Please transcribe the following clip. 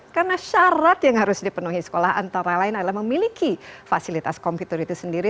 karena syarat yang harus dipenuhi sekolah antara lain adalah memiliki fasilitas komputer itu sendiri